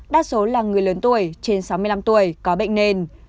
đa số là người lớn tuổi trên sáu mươi năm tuổi có bệnh nền